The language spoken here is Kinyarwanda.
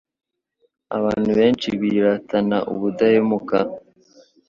Abantu benshi biratana ubudahemuka